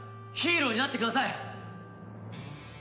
ヒーローになってください！